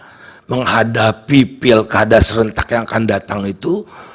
kita menghadapi pilkada serentak yang akan datang itu